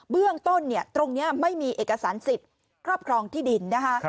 เบื้องต้นตรงนี้ไม่มีเอกสารสิทธิ์ครอบครองที่ดินนะคะ